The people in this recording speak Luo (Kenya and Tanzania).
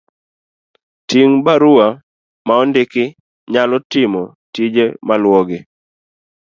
Ting ' mag barua maondik nyalo timo tije maluwogi.